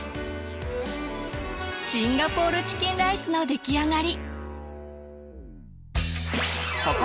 「シンガポールチキンライス」の出来上がり！